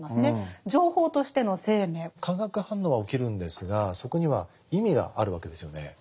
化学反応は起きるんですがそこには意味があるわけですよね。